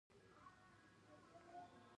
چشم بلبل لوبیا خوندوره ده.